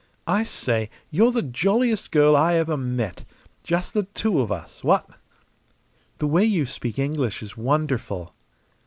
"I say, you're the jolliest girl I ever met! Just the two of us, what?" "The way you speak English is wonderful!"